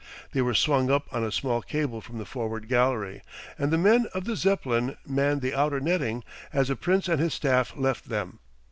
They were swung up on a small cable from the forward gallery, and the men of the Zeppelin manned the outer netting as the Prince and his staff left them.